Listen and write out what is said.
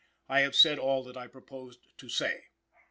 I have said all that I proposed to say."